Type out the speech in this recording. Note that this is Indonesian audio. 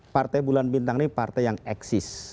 partai bulan bintang ini partai yang eksis